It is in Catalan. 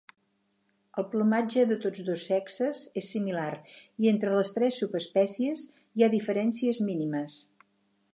El plomatge de tots dos sexes és similar, i entre les tres subespècies hi ha diferències mínimes.